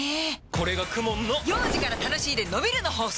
これがＫＵＭＯＮの幼児から楽しいでのびるの法則！